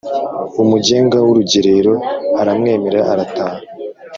Umugenga w’urugerero aramwemerera arataha.